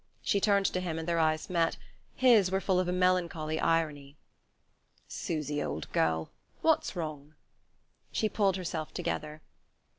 She turned to him and their eyes met; his were full of a melancholy irony. "Susy, old girl, what's wrong?" She pulled herself together.